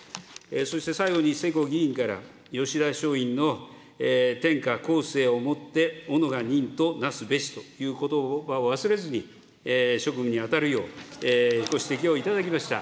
そして最後に、世耕議員から、吉田松陰の天下後世を以て己が任と為すべしということばを忘れずに、職務に当たるよう、ご指摘をいただきました。